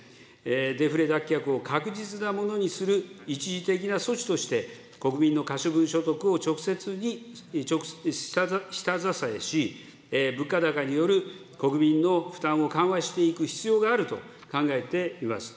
デフレ脱却を確実なものにする一時的な措置として国民の可処分所得を直接に下支えし、物価高による国民の負担を緩和していく必要があると考えています。